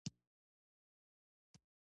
ټپي ته باید دعا کوو چې روغ شي.